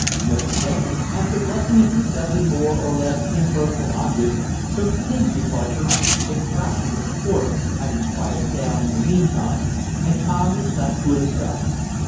Mr. Damon, after blessing a few dozen more or less impersonal objects, took his departure, his fractious horse having quieted down in the meanwhile, and Tom was left to himself.